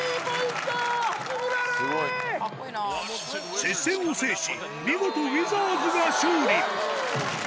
接戦を制し、見事、ウィザーズが勝利。